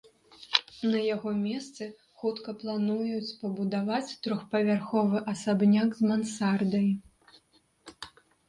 На яго месцы хутка плануюць пабудаваць трохпавярховы асабняк з мансардай.